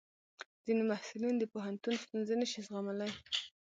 ځینې محصلین د پوهنتون ستونزې نشي زغملی.